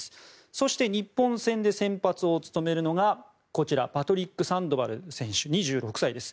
そして、日本戦で先発を務めるのがパトリック・サンドバル選手２６歳です。